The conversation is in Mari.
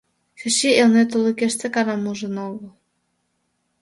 Чачи Элнет олыкеш Сакарым ужын огыл.